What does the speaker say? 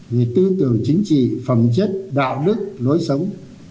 về tư tưởng chính trị phẩm chất đạo đức lối sống